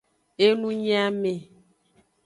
Enunyiame.